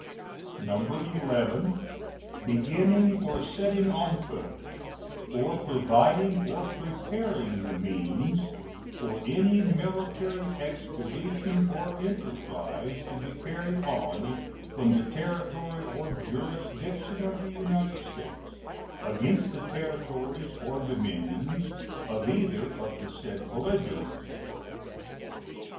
11. Beginning or setting on foot or providing or preparing the means for any military expedition or enterprise to be carried on from the territory or jurisdiction of the United States against the territories or dominions of either of the said belligerents.